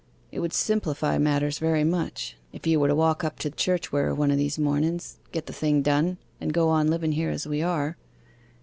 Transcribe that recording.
It would simplify matters very much, if you were to walk up to church wi' her one of these mornings, get the thing done, and go on liven here as we are.